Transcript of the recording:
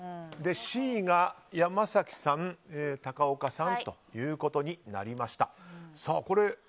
Ｃが山崎さん、高岡さんということになりました。